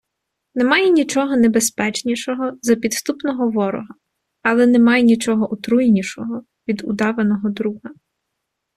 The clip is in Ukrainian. Немає нічого небезпечнішого за підступного ворога, але немає нічого отруйнішого від удаваного друга.